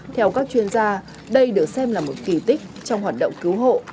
theo các chuyên gia đây được xem là một kỳ tích trong hoạt động cứu hộ